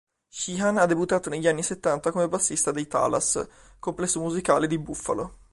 Sheehan ha debuttato negli anni settanta come bassista dei Talas, complesso musicale di Buffalo.